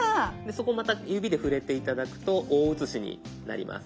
そこまた指で触れて頂くと大写しになります。